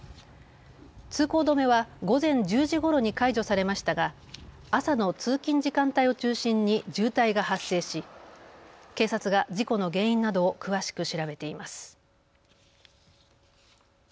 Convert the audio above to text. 通行止めは午前１０時ごろに解除されましたが朝の通勤時間帯を中心に渋滞が発生し警察が事故の原因などを詳しく調べています。